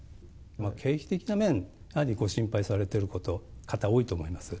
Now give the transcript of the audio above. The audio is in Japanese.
景気的な面、やはりご心配されている方多いと思います。